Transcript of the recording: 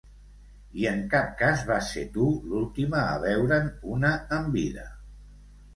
I en cap cas vas ser tu l'última a veure'n una en vida.